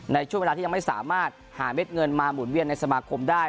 ในช่วงเวลาที่ยังไม่สามารถหาเม็ดเงินมาหมุนเวียนในสมาคมได้